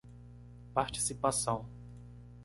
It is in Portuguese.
Participação